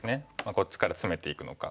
こっちからツメていくのか。